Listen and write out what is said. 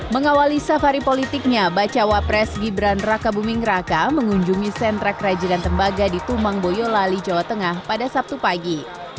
mengawali safari politiknya bacawa pres gibran raka buming raka mengunjungi sentra kerajinan tembaga di tumang boyolali jawa tengah pada sabtu pagi